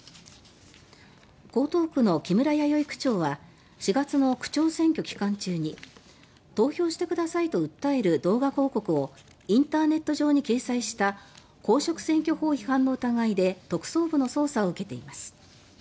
江東区の木村弥生区長は４月の区長選挙期間中に投票してくださいと訴える動画広告をインターネット上に掲載した公職選挙法違反の疑いで特捜部の捜査を受けています。